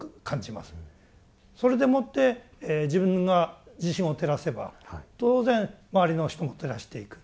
それでもって自分が自身を照らせば当然周りの人も照らしていく。